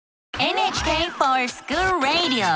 「ＮＨＫｆｏｒＳｃｈｏｏｌＲａｄｉｏ」！